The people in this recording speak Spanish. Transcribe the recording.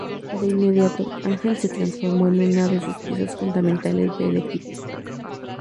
De inmediato, Ángel se transformó en una de sus piezas fundamentales del equipo.